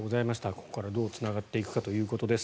ここからどうつながっていくかということです。